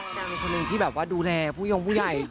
นางคนหนึ่งที่แบบว่าดูแลผู้ยงผู้ใหญ่